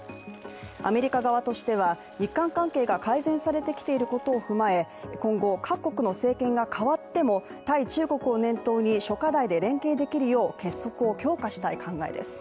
アメリカ側としては、日韓関係が改善されてきていることを踏まえ、今後、各国の政権が代わっても、対中国を念頭に諸課題で連携できるよう結束を強化したい考えです。